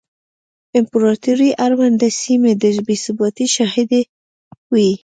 امپراتورۍ اړونده سیمې د بې ثباتۍ شاهدې وې